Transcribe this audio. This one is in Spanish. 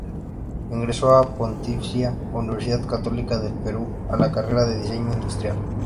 Ingresó a la Pontificia Universidad Católica del Perú a la carrera de Diseño Industrial.